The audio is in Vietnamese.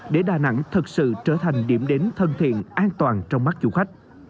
để đà nẵng thật sự trở thành điểm đến thân thiện an toàn trong mắt du khách